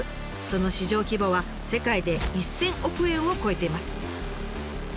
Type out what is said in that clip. その市場規模は世界で１，０００億円を超えています。